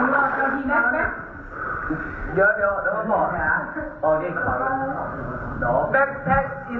ไม่ใช่นี่